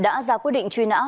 đã ra quyết định truy nã